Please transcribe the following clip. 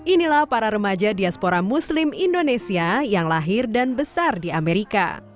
inilah para remaja diaspora muslim indonesia yang lahir dan besar di amerika